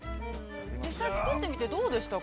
◆実際作ってみてどうでしたか。